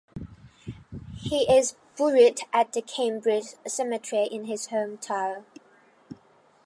He is buried at the Cambridge Cemetery in his hometown.